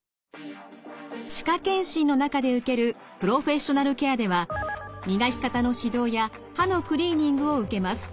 歯科健診の中で受けるプロフェッショナルケアでは磨き方の指導や歯のクリーニングを受けます。